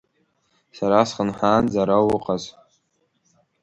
Сара схынҳәаанӡа ара уҟаз!